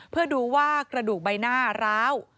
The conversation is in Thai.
เพื่อดูว่ากระดูกใบหน้าร้าว